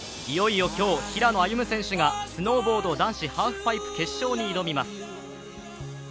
いよいよ今日、平野歩夢選手がスノーボード男子ハーフパイプ決勝に挑みます。